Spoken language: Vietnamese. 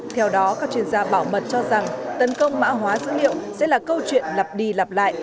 theo đó các chuyên gia bảo mật cho rằng tấn công mã hóa dữ liệu sẽ là câu chuyện lặp đi lặp lại